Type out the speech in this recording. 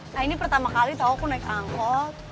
nah ini pertama kali tahu aku naik angkot